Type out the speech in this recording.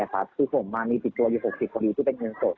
คือผมมีติดตัวอยู่๖๐คดีที่เป็นเงินสด